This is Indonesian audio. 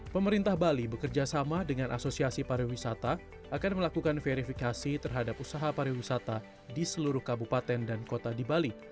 pemerintah bali bekerjasama dengan asosiasi pariwisata akan melakukan verifikasi terhadap usaha pariwisata di seluruh kabupaten dan kota di bali